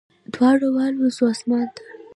دواړه والوزو اسمان ته